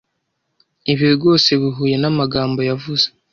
Ibi rwose bihuye namagambo yavuze